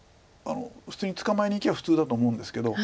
普通に捕まえにいけば普通だと思うんですけど。